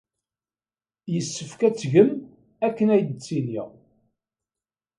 Yessefk ad tgem akken ay d-ttiniɣ.